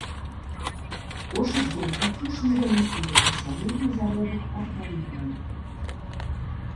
Кошык быў такі ж невялікі, як і сярэдні заробак па краіне.